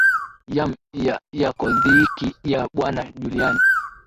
yam ya yako dhiki ya bwana julian